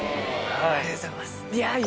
ありがとうございます。